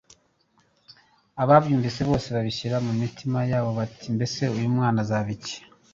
Ababyumvise bose babishyira mu mitima yabo bati 'Mbese uyu mwana azaba iki !